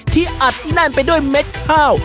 ที่อัดนั่นไปด้วยเม็ดข้าว